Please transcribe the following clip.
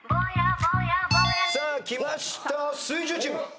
さあきました水１０チーム。